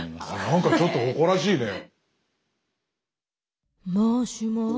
なんかちょっと誇らしいね。